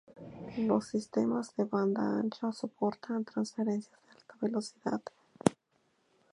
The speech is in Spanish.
Los sistemas de banda ancha soportan transferencias de alta velocidad.